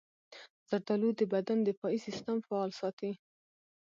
زردالو د بدن دفاعي سستم فعال ساتي.